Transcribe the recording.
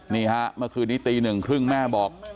นี่ฮะเมื่อคืนนี้ตีหนึ่งครึ่งแม่บอก